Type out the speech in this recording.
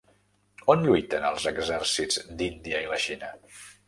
On lluiten els exèrcits d'Índia i la Xina?